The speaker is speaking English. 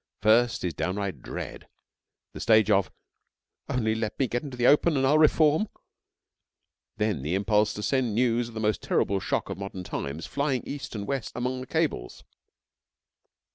First is downright dread; the stage of 'only let me get into the open and I'll reform,' then the impulse to send news of the most terrible shock of modern times flying east and west among the cables.